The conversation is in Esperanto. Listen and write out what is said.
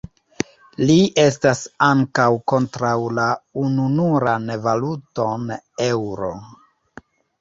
Li estas ankaŭ kontraŭ la ununuran valuton Eŭro.